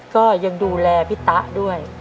ก็ยังดูแลพี่ตะด้วย